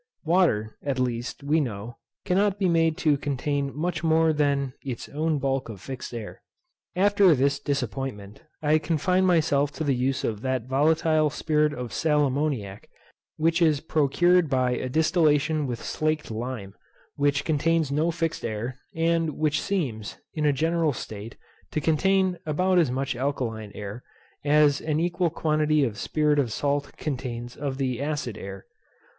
Water, at least, we know, cannot be made to contain much more than its own bulk of fixed air. After this disappointment, I confined myself to the use of that volatile spirit of sal ammoniac which is procured by a distillation with slaked lime, which contains no fixed air; and which seems, in a general state, to contain about as much alkaline air, as an equal quantity of spirit of salt contains of the acid air.